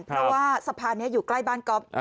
เพราะว่าสะพานนี้อยู่ใกล้บ้านก๊อฟ